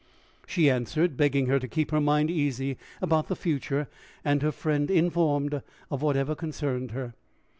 She answered, begging her to keep her mind easy about the future, and her friend informed of whatever concerned her.